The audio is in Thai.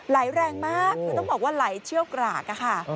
ไหลแรงมากต้องบอกว่าไหลเชี่ยวกราก